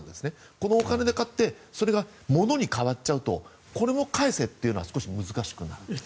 このお金で買ってそれがものに変わっちゃうとこれも返せっていうのは少し難しくなります。